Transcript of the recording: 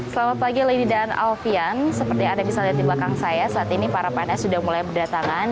selamat pagi lady dan alfian seperti yang anda bisa lihat di belakang saya saat ini para pns sudah mulai berdatangan